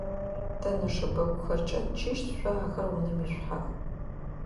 Тэ нэшэбэгухэр кӏэтчыщт, шъо ахэр унэм ишъухьэх.